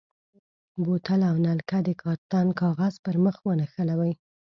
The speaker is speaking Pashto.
بوتل او نلکه د کارتن کاغذ پر مخ ونښلوئ.